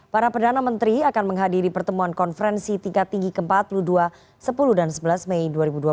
para perdana menteri akan menghadiri pertemuan konferensi tingkat tinggi ke empat puluh dua sepuluh dan sebelas mei dua ribu dua puluh